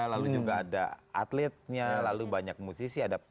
lalu juga ada atletnya lalu banyak musisi